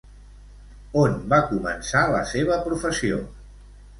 On va començar la seva professió?